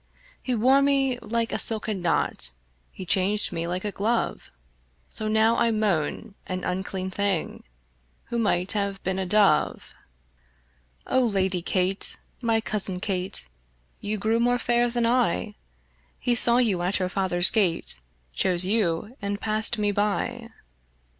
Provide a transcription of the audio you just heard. He wore me like a silken knot, He changed me like a glove; So now I moan, an unclean thing, Who might have been a dove. O Lady kate, my cousin Kate, You grew more fair than I: He saw you at your father's gate, Chose you, and cast me by.